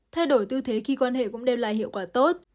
thay đổi tư thế khi quan hệ cũng đem lại hiệu quả tốt